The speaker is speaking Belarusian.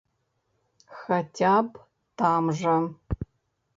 Хаця б там жа.